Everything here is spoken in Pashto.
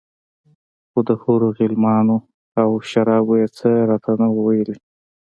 خو د حورو غلمانو او شرابو يې څه راته نه وو ويلي.